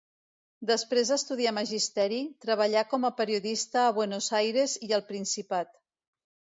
Després d'estudiar magisteri, treballà com a periodista a Buenos Aires i al Principat.